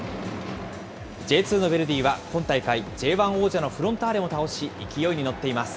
Ｊ２のヴェルディは今大会Ｊ１王者のフロンターレも倒し、勢いに乗っています。